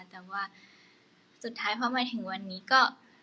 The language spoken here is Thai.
แต่ว่าสุดท้ายพอมาถึงวันนี้ก็